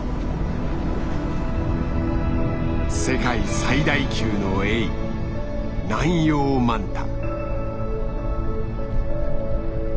世界最大級のエイ「ナンヨウマンタ」。